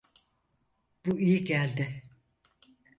Bu iyi geldi.